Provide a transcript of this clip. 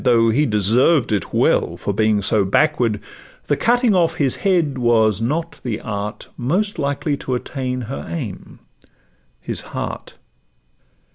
Though he deserved it well for being so backward, The cutting off his head was not the art Most likely to attain her aim—his heart.